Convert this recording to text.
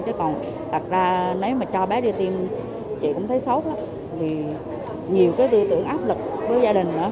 chứ còn đặc ra nếu mà cho bé đi tiêm chị cũng thấy xót lắm vì nhiều cái tư tưởng áp lực với gia đình nữa